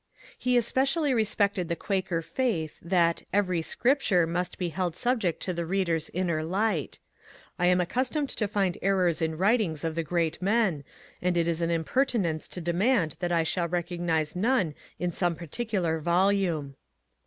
He especially respected the Quaker faith that every *^ scrip ture " must be held subject to the reader's inner light ^* I am accustomed to find errors in writings of the great men, and it is an impertinence to demand that I shall recognize none in some particular volume."